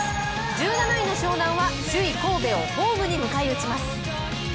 １７位の湘南は首位・神戸をホームに迎え撃ちます。